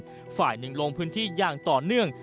อีกฝ่ายหนึ่งลงพื้นที่อย่างต่อเนื่อง